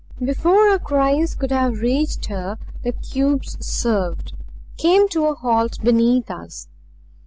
Before our cries could have reached her the cubes swerved; came to a halt beneath us.